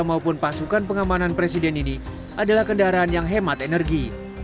maupun pasukan pengamanan presiden ini adalah kendaraan yang hemat energi